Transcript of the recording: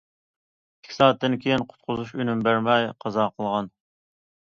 ئىككى سائەتتىن كېيىن قۇتقۇزۇش ئۈنۈم بەرمەي قازا قىلغان.